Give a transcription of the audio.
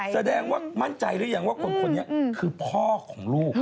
แสดงว่ามั่นใจหรือยังว่าคนนี้คือพ่อของลูก